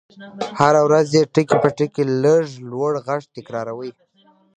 هره ورځ يې ټکي په ټکي په لږ لوړ غږ تکراروئ.